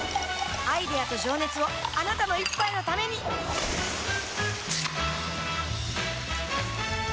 アイデアと情熱をあなたの一杯のためにプシュッ！